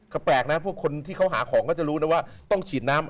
ก็แปลกนะพวกคนที่เขาหาของก็จะรู้นะว่าต้องฉีดน้ำ